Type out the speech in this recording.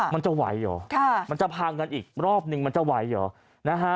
มันจะไหวเหรอมันจะพาเงินอีกรอบนึงมันจะไหวเหรอนะฮะ